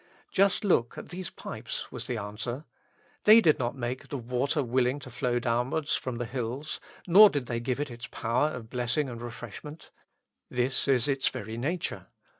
Just look at these pipes was the answer ; they did not make the water willing to flow downwards from the hills, nor did they give it its power of blessing and refreshment ; this is its very nature.